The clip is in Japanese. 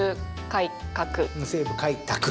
西部開拓。